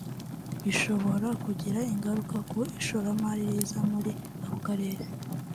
bishobora kugira ingaruka ku ishoramari riza muri ako karere